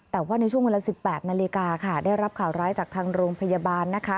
แต่ว่าในช่วงเวลา๑๘นาฬิกาค่ะได้รับข่าวร้ายจากทางโรงพยาบาลนะคะ